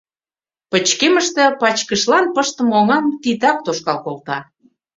Пычкемыште пачкышлан пыштыме оҥам титак тошкал колта.